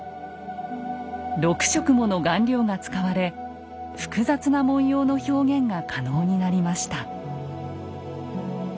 ６色もの顔料が使われ複雑な文様の表現が可能になりました。